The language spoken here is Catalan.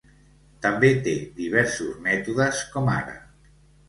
També té diversos mètodes, com ara